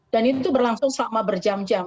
dan itu berlangsung selama berjam jam